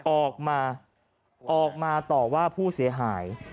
ออกมาต่อว่าผู้เสียหาย